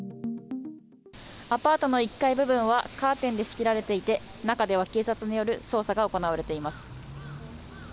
アパートの１階部分はカーテンで仕切られていて中では警察による捜査が行われています。